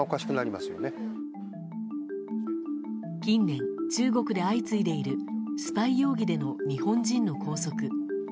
近年、中国で相次いでいるスパイ容疑での日本人の拘束。